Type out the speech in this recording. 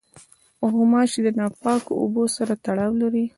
غوماشې د ناپاکو اوبو سره تړاو لري.